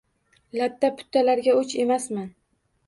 Latta-puttalarga oʻch emasman.